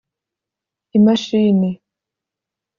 Imashini